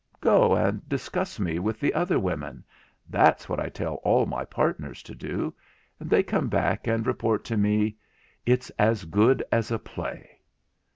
Go and discuss me with the other women—that's what I tell all my partners to do; and they come back and report to me. It's as good as a play!'